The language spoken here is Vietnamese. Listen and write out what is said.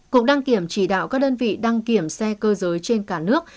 cục đăng kiểm chỉ đạo các đơn vị đăng kiểm xe cơ giới trên cả nước